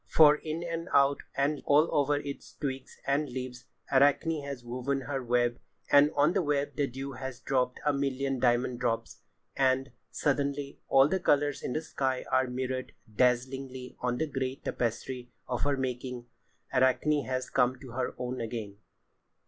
For in and out, and all over its twigs and leaves, Arachne has woven her web, and on the web the dew has dropped a million diamond drops. And, suddenly, all the colours in the sky are mirrored dazzlingly on the grey tapestry of her making. Arachne has come to her own again.